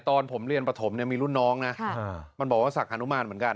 ตอนผมเรียนปฐมเนี่ยมีรุ่นน้องนะมันบอกว่าศักดิฮานุมานเหมือนกัน